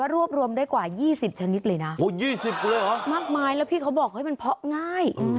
รวบรวมได้กว่า๒๐ชนิดเลยนะมากมายแล้วพี่เขาบอกว่ามันเพาะง่าย